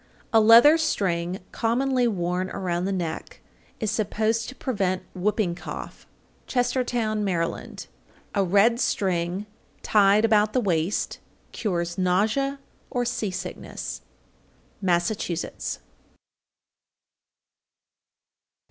_ 814. A leather string commonly worn around the neck is supposed to prevent whooping cough. Chestertown, Md. 815. A red string tied about the waist cures nausea or sea sickness. _Massachusetts.